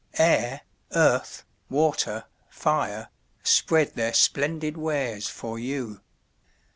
Air, earth, water, fire, spread their splendid wares for you.